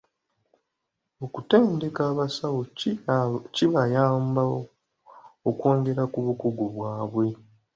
Okutendeka abasawo kibayamba okwongera ku bukugu bwabwe.